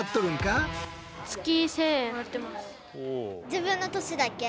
自分の年だけ。